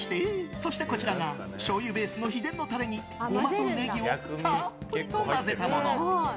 そしてこちらがしょうゆベースの秘伝のタレにゴマとネギをたっぷりと混ぜたもの。